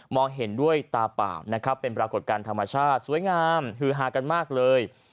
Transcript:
เห็นด้วยตาเปล่านะครับเป็นปรากฏการณ์ธรรมชาติสวยงามฮือฮากันมากเลย